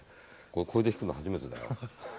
こいで弾くの初めてだよ。